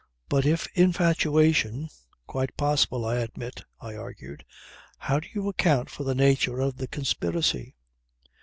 " "But if infatuation quite possible I admit," I argued, "how do you account for the nature of the conspiracy."